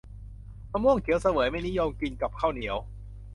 มะม่วงเขียวเสวยไม่นิยมกินกับข้าวเหนียว